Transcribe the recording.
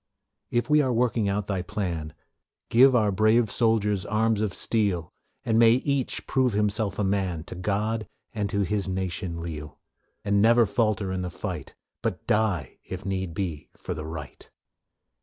If we are working out Thy plan, Give our brave soldiers arms of steel, And may each prove himself a man To God and to his nation leal, And never falter in the fight, But die, if need be, for the right.